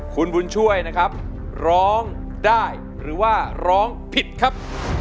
คุณบุญช่วยนะครับร้องได้หรือว่าร้องผิดครับ